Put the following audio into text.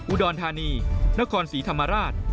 อุดรธานีนครศรีธรรมราช